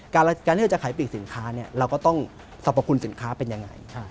การที่เราจะขายปีกสินค้าเราก็ต้องสรรพคุณสินค้าเป็นยังไง